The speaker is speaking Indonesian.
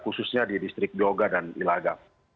khususnya di distrik joga dan ilaga